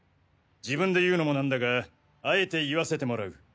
自分で言うのも何だがあえて言わせてもらう。